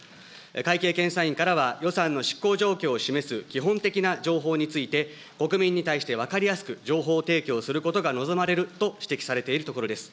会計検査院からは、予算の執行状況を示す基本的な情報について国民に対して分かりやすく情報提供することが望まれると指摘されているところです。